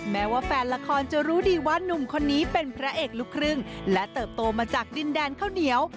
แม้ว่าแฟนละครจะรู้ดีว่านุ่มคนนี้เป็นพระเอกลูกครึ่งและเติบโตมาจากดินแดนข้าวเหนียว